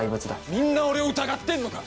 みんな俺を疑ってんのか！